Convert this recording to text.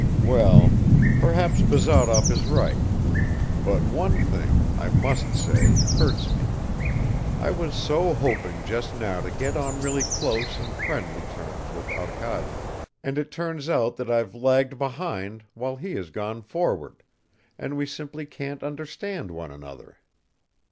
Well ... perhaps Bazarov is right; but one thing, I must say, hurts me; I was so hoping just now to get on really close and friendly terms with Arkady, and it turns out that I've lagged behind while he has gone forward, and we simply can't understand one another."